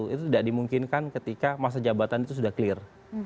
itu tidak dimungkinkan ketika masa jabatan itu sudah clear